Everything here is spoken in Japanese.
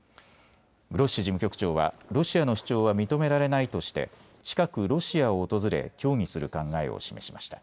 グロッシ事務局長はロシアの主張は認められないとして近くロシアを訪れ協議する考えを示しました。